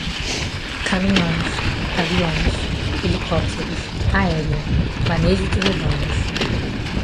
caminhões, aviões, helicópteros, aérea, manejo de rebanhos